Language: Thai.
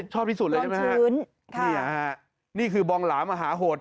ชอบที่สุดเลยใช่ไหมครับนี่ครับนี่คือบองหลามหาโหด